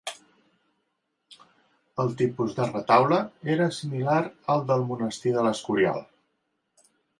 El tipus de retaule era similar al del Monestir de l'Escorial.